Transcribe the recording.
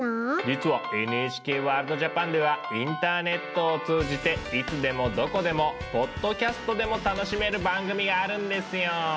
実は「ＮＨＫワールドＪＡＰＡＮ」ではインターネットを通じていつでもどこでもポッドキャストでも楽しめる番組があるんですよ。